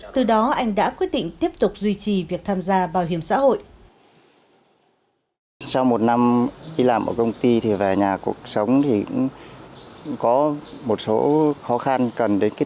từ đó anh đã quyết định tiếp tục duy trì việc tham gia bảo hiểm xã hội